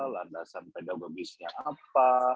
landasan pedagogisnya apa